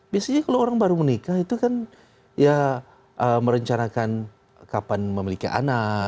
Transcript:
biasanya kalau orang baru menikah itu kan ya merencanakan kapan memiliki anak